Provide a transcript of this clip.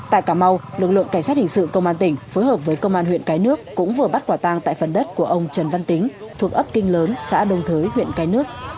tại cà mau lực lượng cảnh sát hình sự công an tỉnh phối hợp với công an huyện cái nước cũng vừa bắt quả tang tại phần đất của ông trần văn tính thuộc ấp kinh lớn xã đông thới huyện cái nước